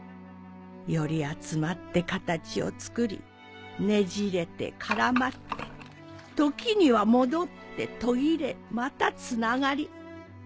より集まって形を作りねじれて絡まって時には戻って途切れまたつながり。